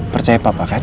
percaya papa kan